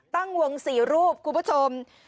ตั้งวง๔รูปคุณผู้ชม